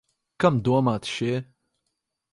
Kam domāti šie?